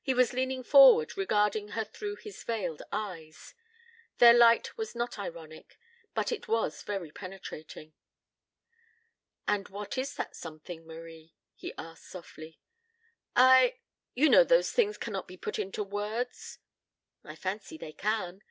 He was leaning forward, regarding her through his veiled eyes. Their light was not ironic, but it was very penetrating. "And what is that something, Marie?" he asked softly. "I you know those things cannot be put into words." "I fancy they can.